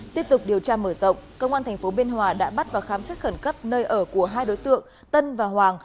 tiếp tục điều tra mở rộng công an tp biên hòa đã bắt và khám xét khẩn cấp nơi ở của hai đối tượng tân và hoàng